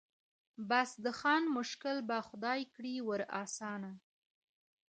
بس د خان مشکل به خدای کړي ور آسانه